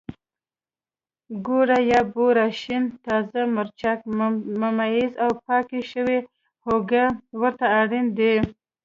ګوړه یا بوره، شین تازه مرچک، ممیز او پاکه شوې هوګه ورته اړین دي.